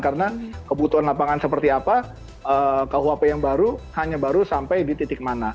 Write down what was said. karena kebutuhan lapangan seperti apa kahu hape yang baru hanya baru sampai di titik mana